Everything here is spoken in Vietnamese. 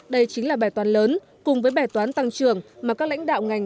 đây chính là bài toàn lớn cùng với bài toán tăng trưởng mà các lãnh đạo ngành